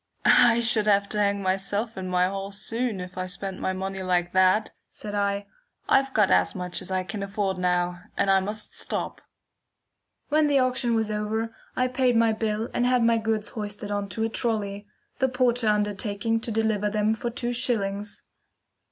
"I should have to hang myself in my hall soon if I spent my money like that," said I. "I've got as much as I can afford now, and I must stop." When the auction was over, I paid my bill and had my goods hoisted on to a trolly, the porter undertaking to deliver them for two shillings.